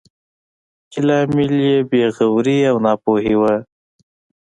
چې لامل یې بې غوري او ناپوهي وه.